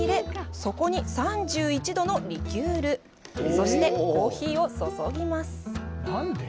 そこに３１度のリキュール、そして、コーヒーを注ぎます。